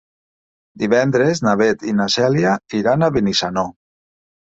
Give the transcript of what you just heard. Divendres na Beth i na Cèlia iran a Benissanó.